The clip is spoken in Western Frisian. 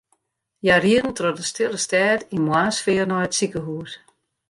Hja rieden troch de stille stêd yn moarnssfear nei it sikehús.